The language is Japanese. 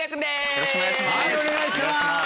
よろしくお願いします。